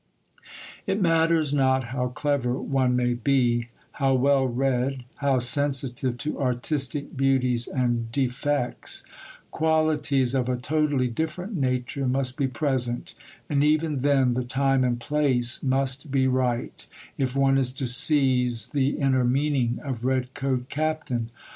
It matters not how clever one may be, how well read, how sensitive to artistic beauties and defects; qualities of a totally different nature must be present, and even then the time and place must be right, if one is to seize the inner meaning of Red Coat Captain.